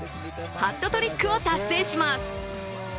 ハットトリックを達成します。